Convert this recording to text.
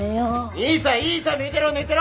いいさいいさ寝てろ寝てろ！